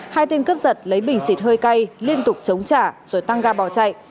hai tên cướp giật lấy bình xịt hơi cay liên tục chống trả rồi tăng ga bỏ chạy